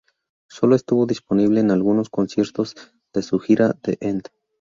Solo estuvo disponible en algunos conciertos de su gira The End.